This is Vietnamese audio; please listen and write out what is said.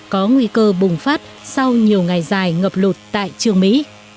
có nguy cơ bùng phát sau nhiều ngày dài ngập lụt tại trường mỹ